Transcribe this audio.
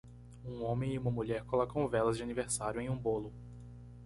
Um homem e uma mulher colocam velas de aniversário em um bolo.